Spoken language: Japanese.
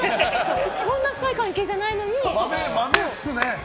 そんな深い関係じゃないのに。